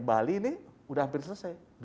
bali ini sudah hampir selesai